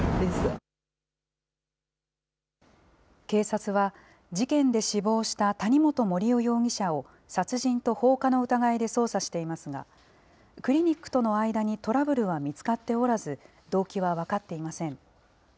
警察は、じけんでしぼうした谷本盛雄容疑者を殺人と放火の疑いで捜査していますが、クリニックとの間にトラブルは見つかっておらず、動機は分かっていません。